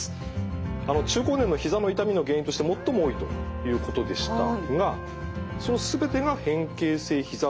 中高年のひざの痛みの原因として最も多いということでしたがその全てが変形性ひざ